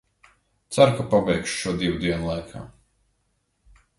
Ceru, ka pabeigšu šo divu dienu laikā.